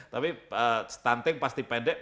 tapi stunting pasti pendek